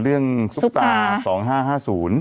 เรื่องซู่ปป่า๒๕๕๐